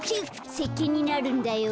せっけんになるんだよ。